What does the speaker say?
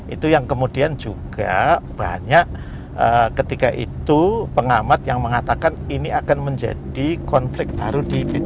itu yang kemudian juga banyak ketika itu pengamat yang mengatakan ini akan menjadi konflik baru di bpn